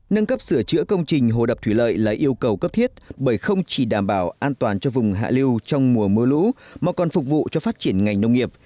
nâng cấp sửa chữa công trình hồ đập thủy lợi là yêu cầu cấp thiết bởi không chỉ đảm bảo an toàn cho vùng hạ lưu trong mùa mưa lũ mà còn phục vụ cho phát triển ngành nông nghiệp